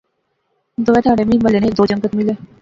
دوہے تہاڑے میں محلے نے ہیک دو جنگت ملے